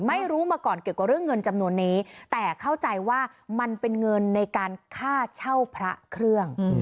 ไม่รู้มาก่อนเกี่ยวกับเรื่องเงินจำนวนนี้แต่เข้าใจว่ามันเป็นเงินในการค่าเช่าพระเครื่อง